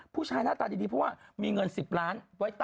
ผู้ชายหน้าตาดีเพราะว่ามีเงิน๑๐ล้าน